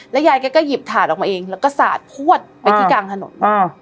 ยายแกก็หยิบถาดออกมาเองแล้วก็สาดพวดไปที่กลางถนนอ่า